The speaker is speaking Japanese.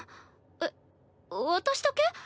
えっ私だけ？